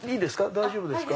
大丈夫ですか。